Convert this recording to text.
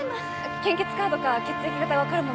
献血カードか血液型が分かるもの